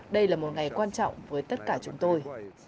đây là một ngày quan trọng với tất cả chúng tôi